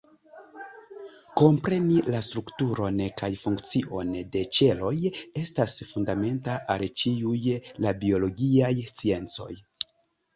Kompreni la strukturon kaj funkcion de ĉeloj estas fundamenta al ĉiuj la biologiaj sciencoj.